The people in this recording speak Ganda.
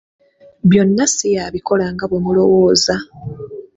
Byonna ssi y'abikola nga bwe mulowooza.